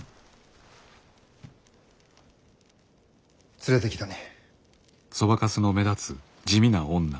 連れてきたに。